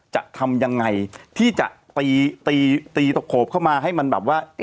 จะทำยังไงที่จะตีตีตะโขบเข้ามาให้มันแบบว่า